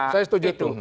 saya setuju itu